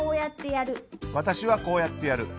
私、こうやってやる。